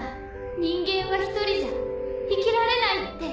人間は一人じゃ生きられないって。